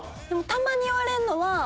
でもたまに言われるのは。